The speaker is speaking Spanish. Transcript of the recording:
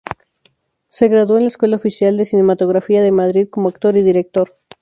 Se graduó en la Escuela Oficial de Cinematografía de Madrid como actor y director.